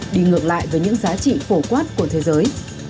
đi ngược lại với những giá trị phổ quát của thế giới